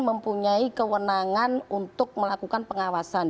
mempunyai kewenangan untuk melakukan pengawasan